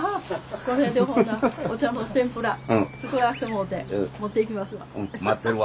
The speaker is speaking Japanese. これでほなお茶の天ぷら作らせてもろうて持って行きますわ。